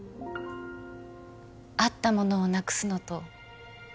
あったものをなくすのと